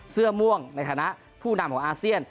เสื้อม่วงในฐานะผู้นำของอาเซียน